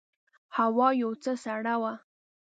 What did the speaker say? هوا یو څه سړه وه.